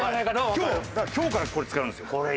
今日だから今日からこれ使えるんですよ。